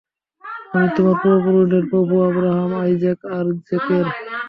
আমি তোমার পূর্বপুরুষদের প্রভু, আব্রাহাম, আইজ্যাক আর জ্যাকবের।